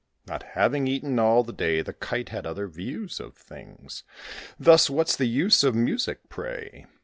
Not having eaten all the day, The Kite had other views of things. Thus "What's the use of music, pray?